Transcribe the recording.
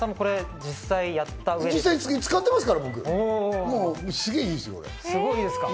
実際使ってますから。